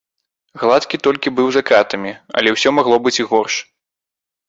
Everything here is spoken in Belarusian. Гладкі толькі быў за кратамі, але ўсё магло быць і горш.